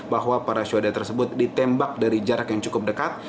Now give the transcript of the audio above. bahwa para swada tersebut ditembak dari jarak yang cukup dekat